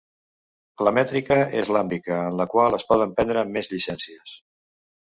La mètrica és làmbica, en la qual es poden prendre més llicències.